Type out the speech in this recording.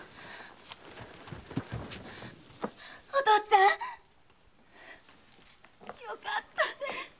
お父っつぁんよかったね。